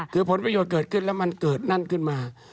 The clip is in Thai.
คือผลประโยชน์เกิดขึ้นแล้วมันเกิดนั่นขึ้นมา